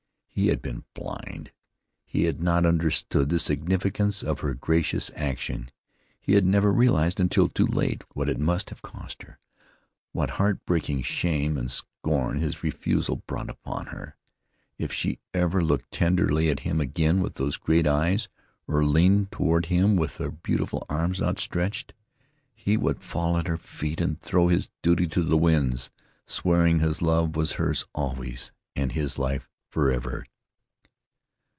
He had been blind; he had not understood the significance of her gracious action; he had never realized until too late, what it must have cost her, what heartburning shame and scorn his refusal brought upon her. If she ever looked tenderly at him again with her great eyes; or leaned toward him with her beautiful arms outstretched, he would fall at her feet and throw his duty to the winds, swearing his love was hers always and his life forever.